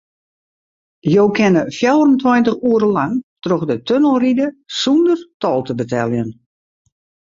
Jo kinne fjouwerentweintich oere lang troch de tunnel ride sûnder tol te beteljen.